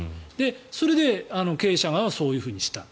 それで経営者側はそういうふうにした。